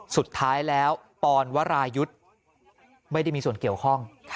สุดท้ายแล้วปอนวรายุทธ์ไม่ได้มีส่วนเกี่ยวข้อง